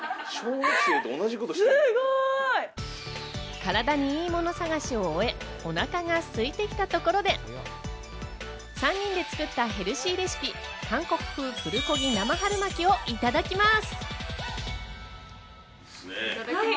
カラダにいいもの探しを終え、お腹がすいてきたところで、３人で作ったヘルシーレシピ、韓国風プルコギ生春巻きをいただきます。